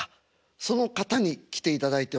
その方に来ていただいております。